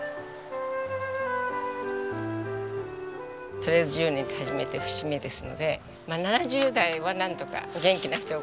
とりあえず１０年って始めて節目ですのでまあ７０代はなんとか元気な人動いてますので。